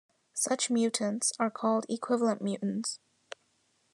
Such mutants are called "equivalent mutants".